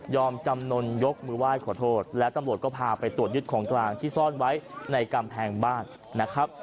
จำนวนยกมือไหว้ขอโทษและตำรวจก็พาไปตรวจยึดของกลางที่ซ่อนไว้ในกำแพงบ้านนะครับ